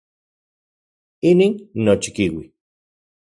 Inin nochikiui.